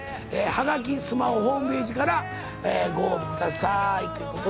ハガキスマホホームページからご応募くださいという事で。